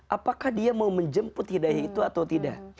apakah dia mau menjemput hidayah itu atau tidak